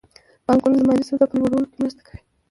بانکونه د مالي سواد په لوړولو کې مرسته کوي.